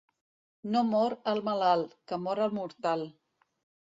No mor el malalt, que mor el mortal.